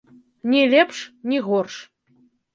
Ні лепш, ні горш.